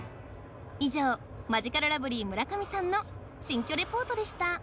以上、マヂカルラブリー・村上さんの新居レポートでした。